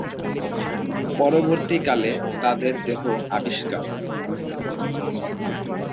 পরবর্তীকালে তাদের দেহ আবিষ্কার।